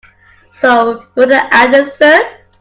So you want to add a third?